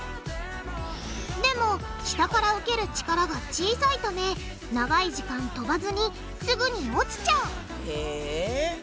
でも下から受ける力が小さいため長い時間飛ばずにすぐに落ちちゃうへぇ。